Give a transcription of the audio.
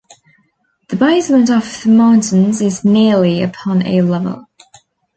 The basement of the mountains is nearly upon a level.